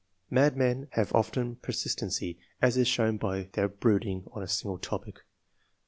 Madmen have often persistency, as is shown by their brooding on a single topic.